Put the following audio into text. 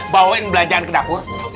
bawain belanjaan ke dapur